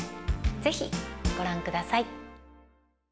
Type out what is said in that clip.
ぜひ、ご覧ください。